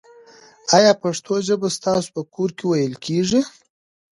آیا پښتو ژبه ستاسو په کور کې ویل کېږي؟